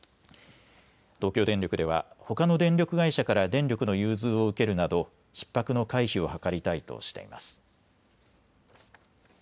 東京電力ではほかの電力会社から電力の融通を受けるなどひっ迫の回避を図りたいとしています。